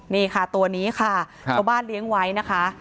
นี่ค่ะตัวนี้ค่ะชาวบ้านเลี้ยงไว้นะคะ